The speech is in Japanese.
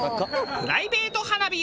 プライベート花火を堪能。